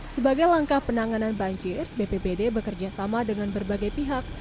sebagai langkah penanganan banjir bpbd bekerjasama dengan berbagai pihak